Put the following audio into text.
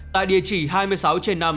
tại địa chỉ hai mươi sáu trên năm